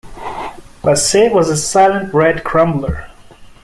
Bassett was a silent bread crumbler.